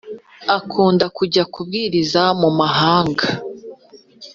akunda kujya kubwiriza mu muhanda